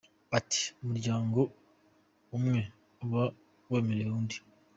Ati “Umuryango umwe uba waremereye undi.